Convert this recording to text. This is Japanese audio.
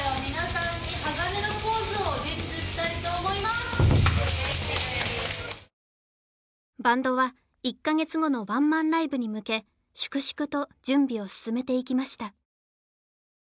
イエーイバンドは１カ月後のワンマンライブに向け粛々と準備を進めていきました